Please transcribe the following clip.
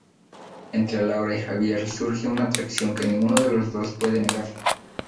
Entre Laura y Javier surge una atracción que ninguno de los dos puede negar.